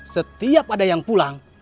setiap ada yang pulang